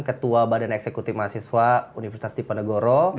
ketua badan eksekutif mahasiswa universitas diponegoro